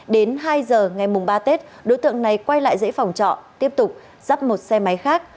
đến hai h ngày ba tết đối tượng này quay lại dãy phòng trọ tiếp tục dắp một xe máy khác